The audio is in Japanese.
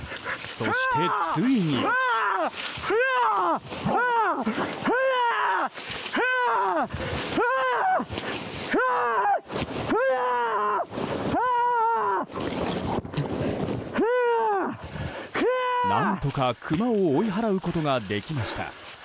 そして、ついに。何とか、クマを追い払うことができました。